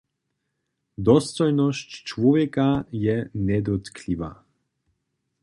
Dostojnosć čłowjeka je njedótkliwa.